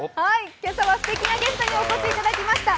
今朝はすてきなゲストにお越しいただきました。